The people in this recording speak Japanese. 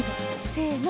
せの。